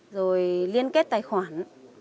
rồi liên kết tài khoản